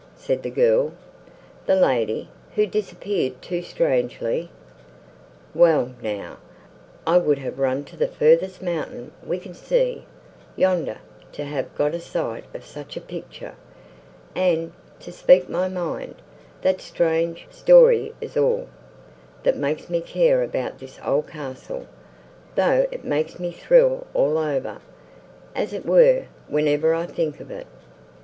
said the girl; "the lady, who disappeared to strangely? Well! now, I would have run to the furthest mountain we can see, yonder, to have got a sight of such a picture; and, to speak my mind, that strange story is all, that makes me care about this old castle, though it makes me thrill all over, as it were, whenever I think of it."